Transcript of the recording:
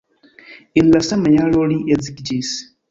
En la sama jaro li edziĝis.